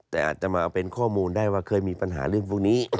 แต่อาจจะมาเป็นข้อมูลได้ว่าเคยมีปัญหาเรื่องพวกนี้